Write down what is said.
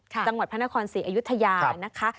จังหวัดพระนครศรีอยุธยานะคะ